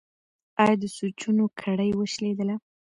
ایا د سوچونو کړۍ وشلیدله؟